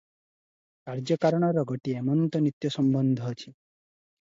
କାର୍ଯ୍ୟକାରଣର ଗୋଟିଏ ଏମନ୍ତ ନିତ୍ୟ ସମ୍ବନ୍ଧ ଅଛି ।